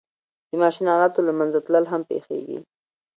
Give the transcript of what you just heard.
د ماشین آلاتو له منځه تلل هم پېښېږي